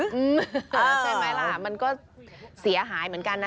ใช่ไหมล่ะมันก็เสียหายเหมือนกันนะ